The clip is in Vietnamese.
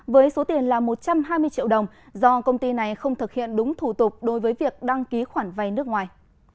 với số tiền là một trăm hai mươi triệu đồng do công ty này không thực hiện đúng thủ tục đối với việc đăng ký khoản vay nước ngoài